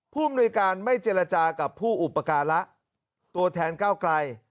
ผู้บริการไม่เจรจากับผู้อุปการะตัวแทนเก้าไกล